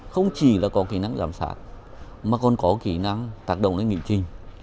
không chỉ là có kỹ năng giám sát mà còn có kỹ năng tác động đến nghị trình